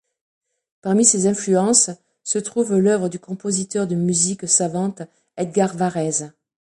Parmi ses influences se trouve l'œuvre du compositeur de musique savante Edgar Varèse.